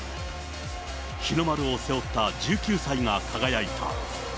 日の丸を背負った１９歳が輝いた。